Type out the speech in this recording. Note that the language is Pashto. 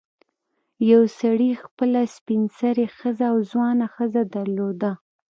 یو سړي خپله سپین سرې ښځه او ځوانه ښځه درلوده.